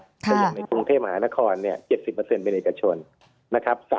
แต่อย่างในกรุงเทพมหานคร๗๐เป็นเอกชนนะครับ